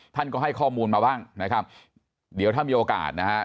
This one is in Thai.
ท่านก็ให้ข้อมูลมาบ้างนะครับเดี๋ยวถ้ามีโอกาสนะฮะ